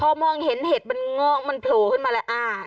พอมองเห็นเห็ดมันงอกมันโผล่ขึ้นมาแล้ว